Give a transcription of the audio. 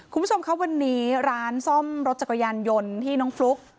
คุณผู้ชมครับวันนี้ร้านซ่อมรถจักรยานยนต์ที่น้องฟลุ๊ก